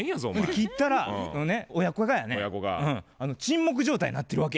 切ったら親子がやね沈黙状態になってるわけ。